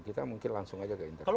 kita mungkin langsung aja ke internet